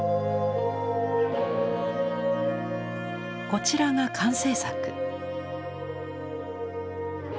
こちらが完成作。